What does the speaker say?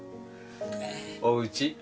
おうち。